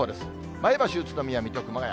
前橋、宇都宮、水戸、熊谷。